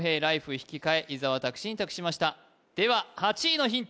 引き換え伊沢拓司に託しましたでは８位のヒント